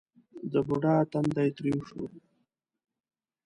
د بوډا تندی ترېو شو: